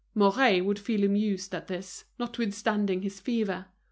Mouret would feel amused at this, notwithstanding his fever.